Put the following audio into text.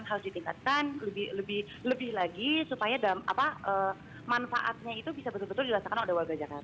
harus ditingkatkan lebih lagi supaya manfaatnya itu bisa betul betul dirasakan oleh warga jakarta